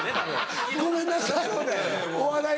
ごめんなさい